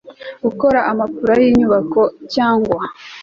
gukora amapula y inyubako cyangwa